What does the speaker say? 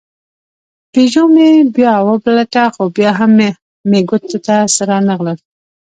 کتاب مې بیا وپلټه خو بیا مې هم ګوتو ته څه رانه غلل.